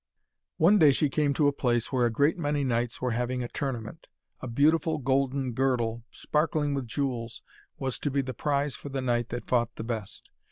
One day she came to a place where a great many knights were having a tournament. A beautiful golden girdle, sparkling with jewels, was to be the prize for the knight that fought the best.